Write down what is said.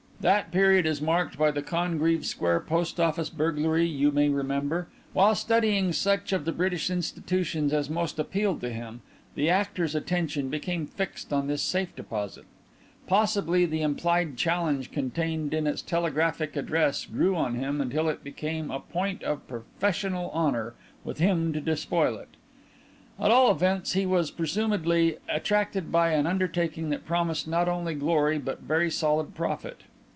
That period is marked by the Congreave Square post office burglary, you may remember. While studying such of the British institutions as most appealed to him, the 'Actor's' attention became fixed on this safe deposit. Possibly the implied challenge contained in its telegraphic address grew on him until it became a point of professional honour with him to despoil it; at all events he was presumedly attracted by an undertaking that promised not only glory but very solid profit.